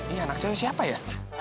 ini anak saya siapa ya